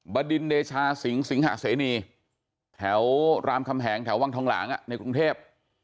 บดินเดชาสิงสิงหะเสนีแถวรามคำแหงแถววังทองหลางในกรุงเทพ